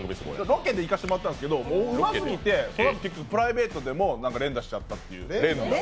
ロケで行かせてもらったんですけど、そのあと結局、プライベートでも連打してしまったという。